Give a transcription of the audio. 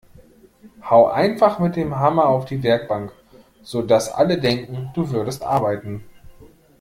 Hau einfach mit dem Hammer auf die Werkbank, sodass alle denken, du würdest arbeiten!